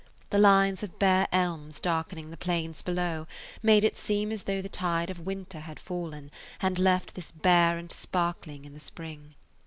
The lines of bare elms darkening the plains below made it seem as though the tide of winter had fallen and left this bare and sparkling in the spring.